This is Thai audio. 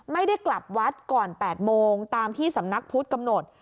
ไม่ได้กลับวัดก่อน๘โมงตามที่สำนักพุทธกำหนด